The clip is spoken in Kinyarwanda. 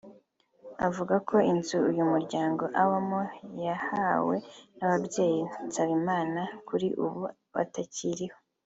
bavuga ko inzu uyu muryango ubamo wayihawe n’ababyeyi ba Nsabimana(umugabo) kuri ubu batakiriho